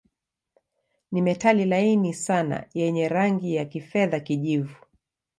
Ni metali laini sana yenye rangi ya kifedha-kijivu.